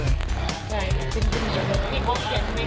ใช่ขึ้นขึ้นขึ้น